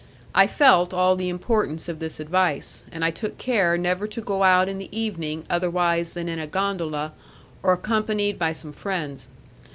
I felt all the importance of this advice, and I took care never to go out in the evening otherwise than in a gondola, or accompanied by some friends.